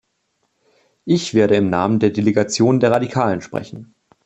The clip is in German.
Ich werde im Namen der Delegation der Radikalen sprechen.